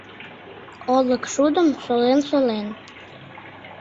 Олык шудым солен-солен